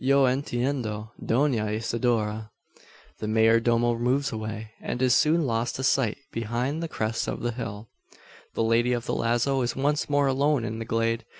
"Yo entiendo, Dona Isidora." The mayor domo moves away, and is soon lost to sight behind the crest of the hill. The lady of the lazo is once more alone in the glade.